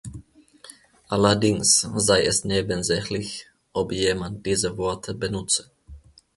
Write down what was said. Allerdings sei es nebensächlich, ob jemand diese Worte benutze.